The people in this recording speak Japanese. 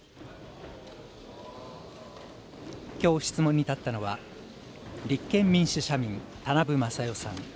きょう質問に立ったのは、立憲民主・社民、田名部匡代さん。